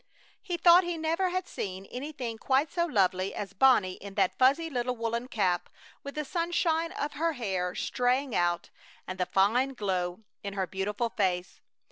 He thought he never had seen anything quite so lovely as Bonnie in that fuzzy little woolen cap, with the sunshine of her hair straying out and the fine glow in her beautiful face.